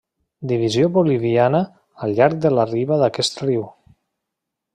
Divisió boliviana al llarg de la riba d'aquest riu.